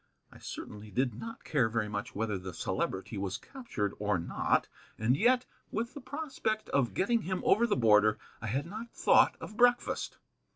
I certainly did not care very much whether the Celebrity was captured or not, and yet, with the prospect of getting him over the border, I had not thought of breakfast.